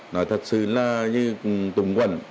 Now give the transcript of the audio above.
nói thật sự là như tùng quẩn